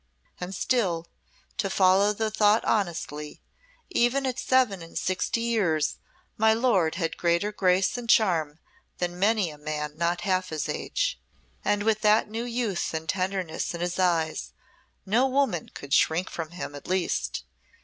And still, to follow the thought honestly, even at seven and sixty years my Lord had greater grace and charm than many a man not half his age. And with that new youth and tenderness in his eyes no woman could shrink from him, at least.